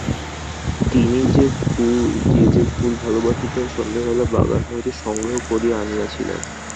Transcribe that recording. তিনি যে যে ফুল ভালোবাসিতেন সন্ধ্যাবেলা বাগান হইতে সংগ্রহ করিয়া আনিয়াছিলেন।